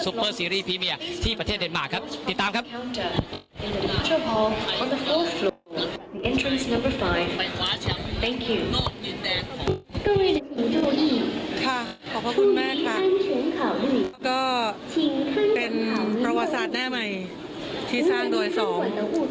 แล้วก็เป็นประวัติศาสตร์หน้าใหม่ที่สร้างโดยสอง